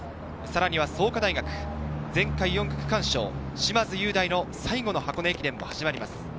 創価大学、前回４区区間賞、嶋津雄大の最後の箱根駅伝も始まります。